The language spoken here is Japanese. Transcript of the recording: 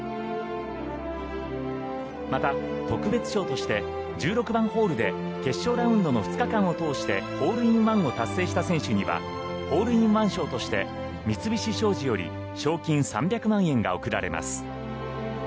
また特別賞として１６番ホールで決勝ラウンドの２日間を通してホールインワンを達成した選手にはホールインワン賞として三菱商事より賞金３００万円が贈られます。